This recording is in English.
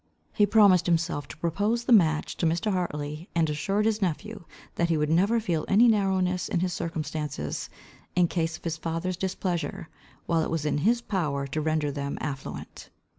He promised himself to propose the match to Mr. Hartley, and assured his nephew, that he should never feel any narrowness in his circumstances, in case of his father's displeasure, while it was in his power to render them affluent.